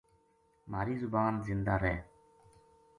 مھاری زبان زندہ رہ